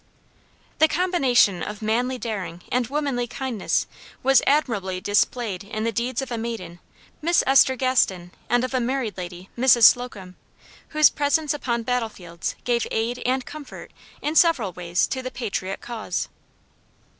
The combination of manly daring and womanly kindness was admirably displayed in the deeds of a maiden, Miss Esther Gaston, and of a married lady, Mrs. Slocum, whose presence upon battlefields gave aid and comfort, in several ways, to the patriot cause.